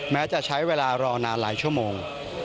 แม้จะใช้เวลารอนานหลายชั่วโมง